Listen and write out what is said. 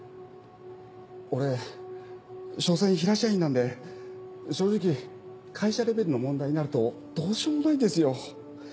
俺しょせん平社員なんで正直会社レベルの問題になるとどうしようもないんですよ。